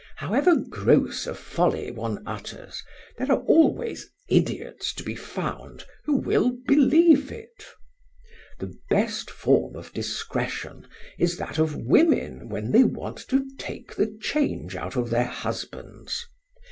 However gross a folly one utters, there are always idiots to be found who will believe it. The best form of discretion is that of women when they want to take the change out of their husbands.